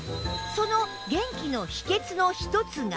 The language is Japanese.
その元気の秘訣の一つが